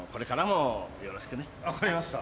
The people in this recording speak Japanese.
分かりました。